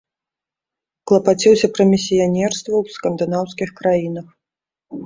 Клапаціўся пра місіянерства ў скандынаўскіх краінах.